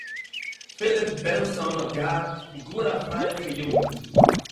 פיליפּ בענסאָן האָט געהאַט גאָר אַ פרייליכע יוגנט